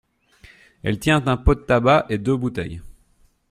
Elle tient un pot de tabac et deux bouteilles.